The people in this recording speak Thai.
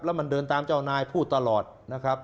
แล้วมันเดินตามเจ้านายพูดตลอดนะครับ